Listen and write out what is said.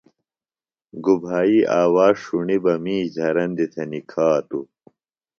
گُبھائی آواز ݜُݨی بہ مِیش دھرندیۡ تھےۡ نِکھاتوۡ۔